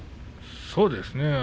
そうですね